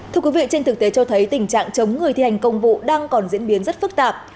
thưa quý vị trên thực tế cho thấy tình trạng chống người thi hành công vụ đang còn diễn biến rất phức tạp